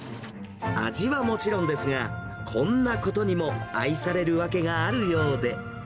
味はもちろんですが、こんなことにも愛される訳があるようで。